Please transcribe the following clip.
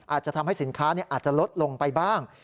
อาจจะทำให้สินค้าอาจจะลดลงไปบ้าง